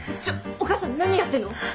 ちょっお母さん何やってんの？